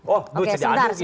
oke sebentar sebentar